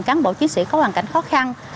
cán bộ chiến sĩ có hoàn cảnh khó khăn